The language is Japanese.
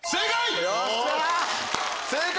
正解！